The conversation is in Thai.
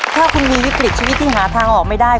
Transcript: ถ้าคุณมีวิกฤตชีวิตที่หาทางออกไม่ได้